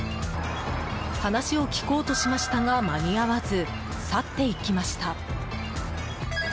話を聞こうとしましたが間に合わず、去っていきました。